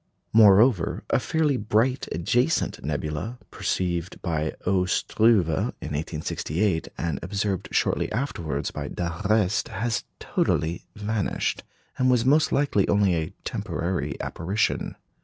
Moreover, a fairly bright adjacent nebula, perceived by O. Struve in 1868, and observed shortly afterwards by d'Arrest, has totally vanished, and was most likely only a temporary apparition.